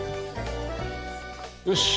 よし。